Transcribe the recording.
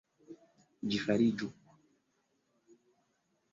Ĝi fariĝu!